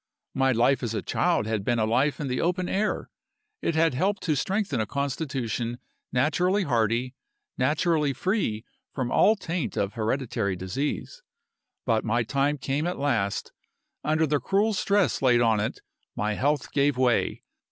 My life as a child had been a life in the open air: it had helped to strengthen a constitution naturally hardy, naturally free from all taint of hereditary disease. But my time came at last. Under the cruel stress laid on it my health gave way.